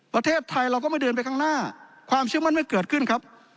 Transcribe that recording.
ประเทศไทยเราก็ไม่เดินไปข้างหน้าความเชื่อมั่นไม่เกิดขึ้นครับ